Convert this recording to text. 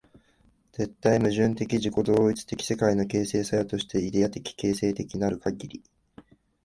絶対矛盾的自己同一的世界の形成作用として、イデヤ的形成的なるかぎり、